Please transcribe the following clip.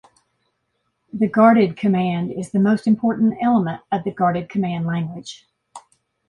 The guarded command is the most important element of the guarded command language.